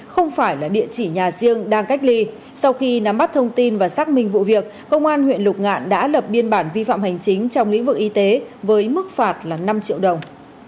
không phải là địa chỉ nhà riêng đang cách ly sau khi nắm bắt thông tin và xác minh vụ việc công an huyện lục ngạn đã lập biên bản vi phạm hành chính trong lĩnh vực y tế với mức phạt là năm triệu đồng